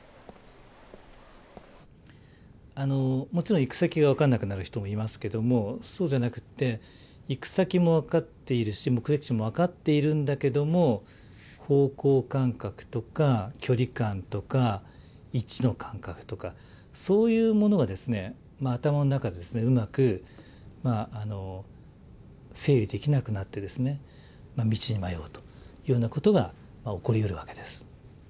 もちろん行く先が分からなくなる人もいますけどもそうじゃなくって行く先も分かっているし目的地も分かっているんだけども方向感覚とか距離感とか位置の感覚とかそういうものが頭の中でうまく整理できなくなって道に迷うというようなことが起こりうるわけです。